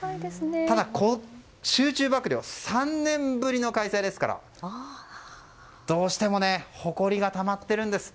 ただ、集中曝涼は３年ぶりの開催ですからどうしてもほこりがたまっているんです。